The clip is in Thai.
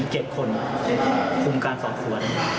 ๗คนคุมการสอบสวน